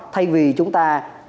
thay vì chúng ta